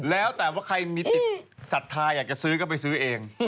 แล้วแต่ว่าใครมีติดจัดทาอยากจะซื้อก็ไปซื้อเอง